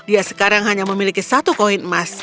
dia sekarang hanya memiliki satu koin emas